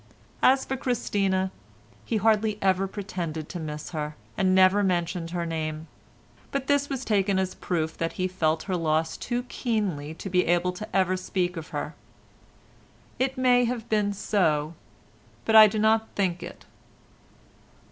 As for Christina he hardly ever pretended to miss her and never mentioned her name; but this was taken as a proof that he felt her loss too keenly to be able ever to speak of her. It may have been so, but I do not think it.